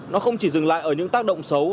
nó không chỉ dừng lại ở những tác động xấu